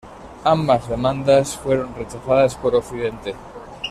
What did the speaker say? Ambas demandas fueron rechazadas por Occidente.